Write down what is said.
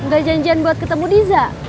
gak janjian buat ketemu diza